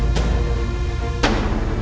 kau bisa lihat